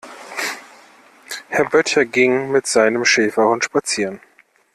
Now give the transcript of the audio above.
Herr Böttcher ging mit seinem Schäferhund spazieren.